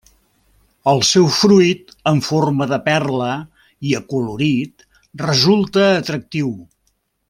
El seu fruit en forma de perla i acolorit resulta atractiu.